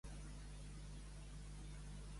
I creu que ell l'estima menys que ella a ell?